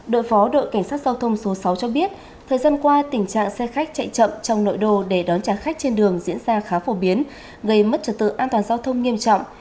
đội phó đội cảnh sát giao thông số sáu cho biết thời gian qua tình trạng xe khách chạy chậm trong nội đô để đón trả khách trên đường diễn ra khá phổ biến gây mất trật tự an toàn giao thông nghiêm trọng